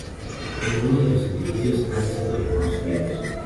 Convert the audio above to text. Ninguno de los edificios han sido reconstruidos.